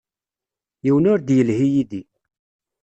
Yiwen ur d-yelhi yid-i.